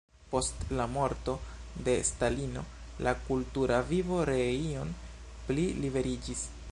Post la morto de Stalino la kultura vivo ree iom pli liberiĝis.